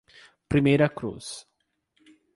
Primeira Cruz